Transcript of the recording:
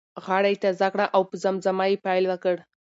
غاړه یې تازه کړه او په زمزمه یې پیل وکړ.